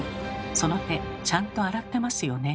その手ちゃんと洗ってますよね？